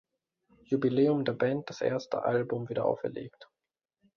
Jubiläum der Band das erste Album wiederaufgelegt.